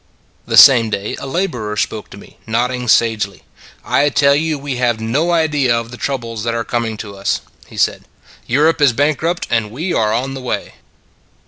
The same day a laborer spoke to me, nodding sagely. " I tell you we have no idea of the troubles that are coming to us," he said. " Europe is bankrupt, and we are on the way."